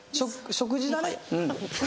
食事だね。